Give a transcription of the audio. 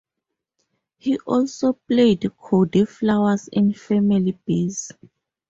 He also played Cody Flowers in "Family Biz".